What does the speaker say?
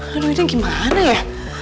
aduh ini gimana ya